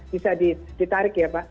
bisa ditarik ya pak